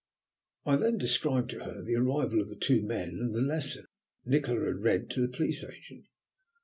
I then described to her the arrival of the two men and the lesson Nikola had read to the Police Agent.